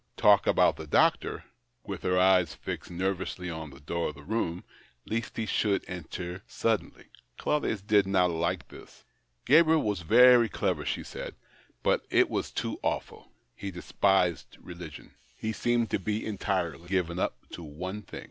talk about the doctor — with her eyes fixed nervously on the door of the room, lest he should enter suddenly. Claudius did not like this. Gabriel was very clever, she said, Ijut it was too awful — he despised religion. He seemed to be entirely given up to one thing.